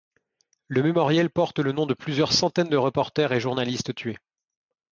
Le mémorial porte le nom de plusieurs centaines de reporters et journalistes tués.